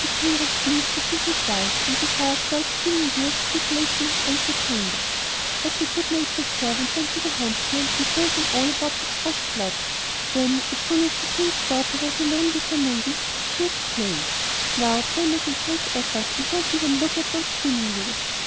The King was pleased with the advice, and desired twelve spinning wheels to be placed in his ante chamber. But the good natured servant went to the huntsmen and told them all about this fresh plot. Then, as soon as the King's daughter was alone with her maidens, she exclaimed: 'Now, pray make a great effort and don't even look at those spinning wheels.